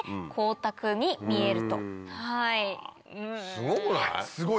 すごくない？